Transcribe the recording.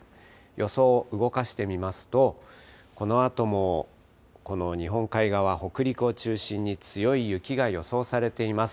予想を動かしてみますと、このあともこの日本海側、北陸を中心に強い雪が予想されています。